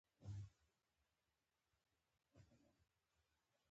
زحمت بېثمره نه پاتې کېږي.